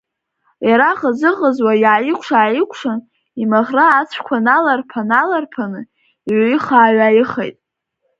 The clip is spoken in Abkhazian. Иара ӷызыӷызуа иааикәша-ааикәшан имаӷра ацқәа наларԥа-наларԥаны иҩаиха-ҩаихеит.